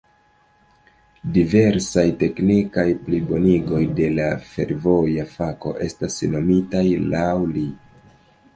Diversaj teknikaj plibonigoj de la fervoja fako estas nomitaj laŭ li.